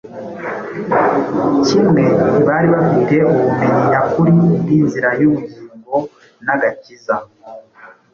kimwe ntibari bafite ubumenyi nyakuri bw’inzira y’ubugingo n’agakiza.